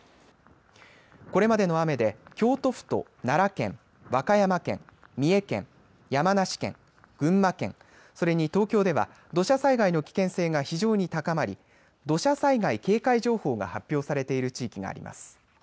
これまでの雨で京都府と奈良県、和歌山県三重県、山梨県、群馬県それに東京では土砂災害の危険性が非常に高まり土砂災害警戒情報が発表されている地域があります。